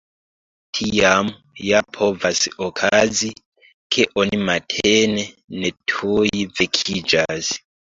Tiam ja povas okazi, ke oni matene ne tuj vekiĝas.